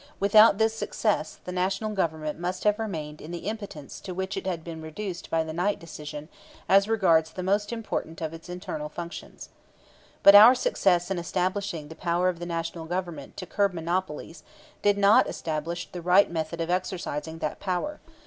Without this success the National Government must have remained in the impotence to which it had been reduced by the Knight decision as regards the most important of its internal functions. But our success in establishing the power of the National Government to curb monopolies did not establish the right method of exercising that power.